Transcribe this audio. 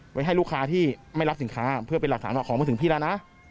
ไว้ให้ลูกค้าที่ไม่รับสินค้าเพื่อไปหลักสารหลอกของมะสิงพี่ละนะ